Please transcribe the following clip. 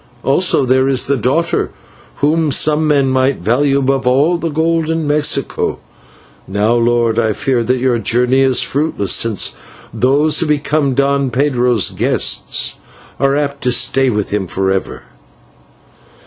Also there is the daughter, whom some men might value above all the gold in Mexico. Now, lord, I fear that your journey is fruitless, since those who become Don Pedro's guests are apt to stay with him for ever."